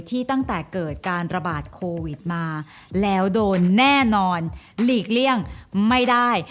ตั้งแต่เกิดการระบาดโควิดมาแล้วโดนแน่นอนหลีกเลี่ยงไม่ได้